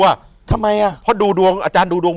อยู่ที่แม่ศรีวิรัยิลครับ